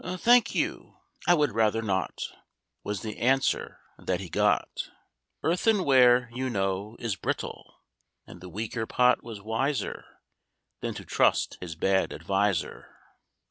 "Thank you, I would rather not," Was the answer that he got. Earthenware, you know, is brittle; And the weaker Pot was wiser Than to trust his bad adviser.